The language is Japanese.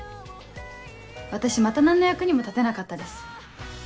私また何の役にも立てなかったです。